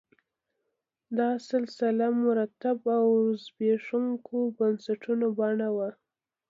د سلسله مراتبو او زبېښونکو بنسټونو بڼه وه